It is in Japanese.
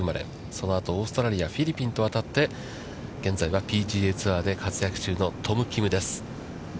そのあと、オーストラリア、フィリピンと渡って、現在はＰＧＡツアーで活躍中のトム・キムです。